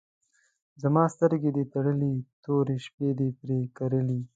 زما سترګې دي تړلي، تورې شپې دي پر کرلي